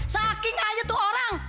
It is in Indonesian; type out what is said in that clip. saking aja tuh orang